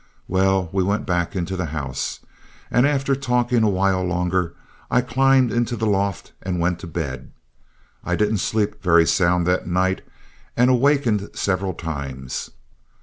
Well, we went back into the house, and after talking awhile longer, I climbed into the loft and went to bed. I didn't sleep very sound that night, and awakened several times.